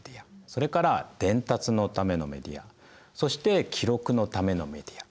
それから「伝達のためのメディア」そして「記録のためのメディア」